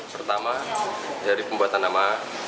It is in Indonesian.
pertama dari pembuatan nama